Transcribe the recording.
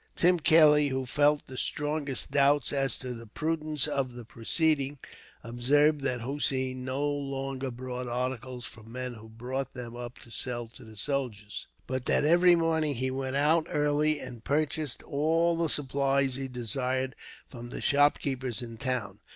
Tim Kelly, who felt the strongest doubts as to the prudence of the proceeding, observed that Hossein no longer bought articles from men who brought them up to sell to the soldiers, but that every morning he went out early, and purchased all the supplies he desired from the shopkeepers in the town.